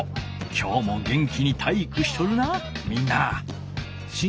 きょうも元気に体育しとるなみんな！